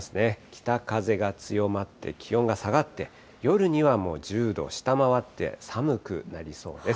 北風が強まって気温が下がって、夜にはもう１０度を下回って、寒くなりそうです。